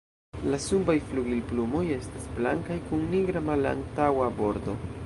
La subaj flugilplumoj estas blankaj kun nigra malantaŭa bordo.